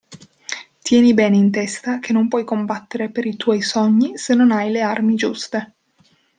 Tieni bene in testa che non puoi combattere per i tuoi sogni se non hai le armi giuste.